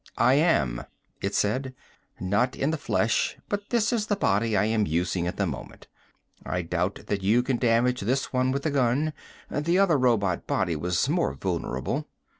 "I am," it said. "Not in the flesh but this is the body I am using at the moment. I doubt that you can damage this one with the gun. The other robot body was more vulnerable.